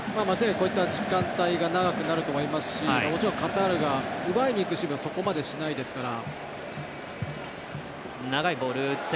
こういった時間帯が長くなると思いますしもちろんカタールが奪いにいく守備をそこまでしないですから。